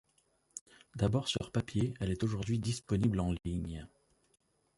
D'abord sur papier, elle est aujourd'hui disponible en ligne.